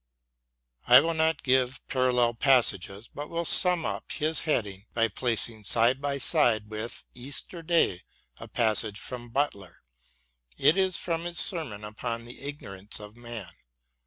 I will not give parallel passages, but will sum up this heading by placing side by side with " Easter Day " a passage from Butler. It is from his sermon upon the Ignorance of Man.